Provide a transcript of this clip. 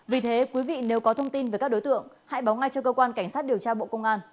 vì thế quý vị nếu có thông tin về các đối tượng hãy báo ngay cho cơ quan cảnh sát điều tra bộ công an